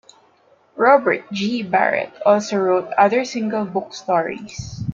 Robert G. Barrett also wrote other single book stories.